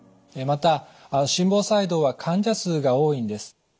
また心房細動は患者数が多いんです。